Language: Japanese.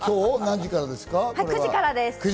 ９時からです。